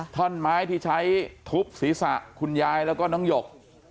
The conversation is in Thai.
ท่อนไม้ที่ใช้ทุบศีรษะคุณยายแล้วก็น้องหยก